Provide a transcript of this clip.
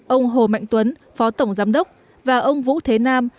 ông hồ mạnh tuấn phó tổng giám đốc và ông vũ thế nam